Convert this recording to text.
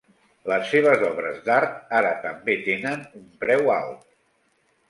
Les seves obres d'art ara també tenen un preu alt.